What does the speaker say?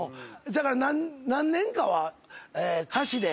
だから何年かは。